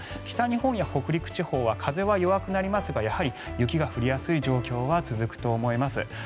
北日本や北陸地方は風は弱くなりますがやはり雪が降りやすい状況は続くと思います。